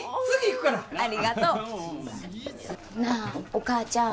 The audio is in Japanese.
なあお母ちゃん。